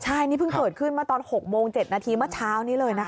ใช่นี่เพิ่งเกิดขึ้นมาตอน๖โมง๗นาทีเมื่อเช้านี้เลยนะคะ